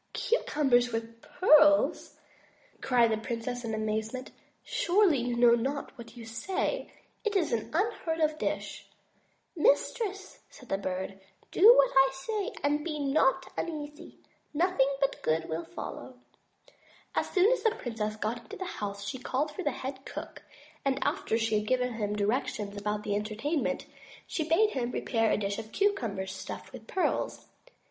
"Cucumbers with pearls!" cried the princess in amazement. "Surely, you know not what you say. It is an unheard of dish." "Mistress," said the Bird, "do what I say, and be not un easy. Nothing but good will follow." As soon as the princess got into the house she called for the head cook; and after she had given him directions about the entertainment, she bade him prepare a dish of cucumbers stuffed with pearls.